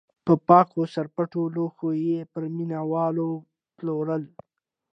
په پاکو سرپټو لوښیو یې پر مینه والو پلورل.